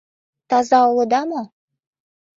Таза улыда мо?